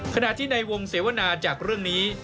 ขณะที่ในวงเสวนาจากเรื่องนี้